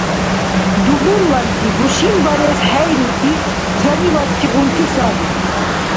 Дубурланти бушинбарес хӀейрути жанивартигъунти саби.